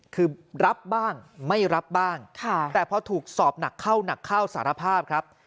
คือรับบ้างไม่รับบ้างแต่พอถูกสอบหนักเข้าหนักเข้าสารภาพครับ